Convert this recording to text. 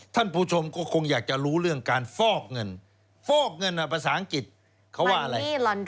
ท่านผู้ชมก็คงอยากจะรู้เรื่องการฟอกเงินฟอกเงินภาษาอังกฤษเขาว่าอะไร